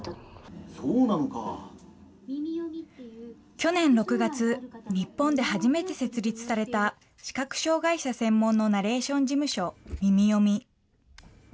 去年６月、日本で初めて設立された、視覚障害者専門のナレーション事務所、みみよみ。